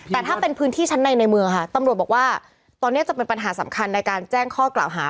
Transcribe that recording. แต่ถ้าเป็นพื้นที่ชั้นในในเมืองค่ะตำรวจบอกว่าตอนนี้จะเป็นปัญหาสำคัญในการแจ้งข้อกล่าวหา